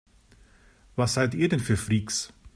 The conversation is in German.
Was seid ihr denn für Freaks?